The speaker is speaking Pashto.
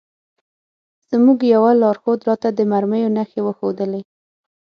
زموږ یوه لارښود راته د مرمیو نښې وښودلې.